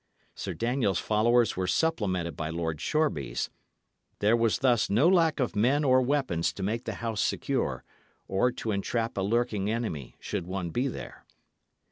Sir Daniel's followers were supplemented by Lord Shoreby's; there was thus no lack of men or weapons to make the house secure, or to entrap a lurking enemy, should one be there.